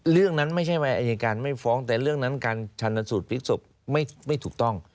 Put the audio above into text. เรื่องนั้นไม่ใช่ว่าอายการไม่ฟ้องแต่เรื่องนั้นการชันสูตรพลิกศพไม่ถูกต้อง